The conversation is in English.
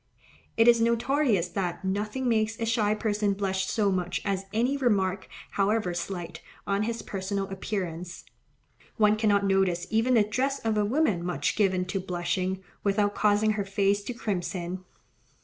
It is notorious that nothing makes a shy person blush so much as any remark, however slight, on his personal appearance. One cannot notice even the dress of a woman much given to blushing, without causing her face to crimson.